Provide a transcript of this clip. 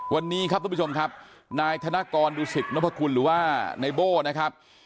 วันนี้ครับทุกผู้ชมครับนายธนกรดูสิตนพคุณหรือว่าในโบ้นะครับ